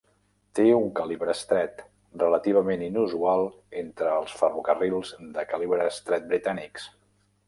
Té una calibre estret, relativament inusual entre els ferrocarrils de calibre estret britànics.